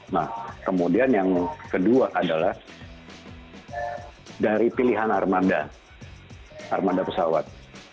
nah kemudian yang kedua adalah dari pilihan armada armada pesawat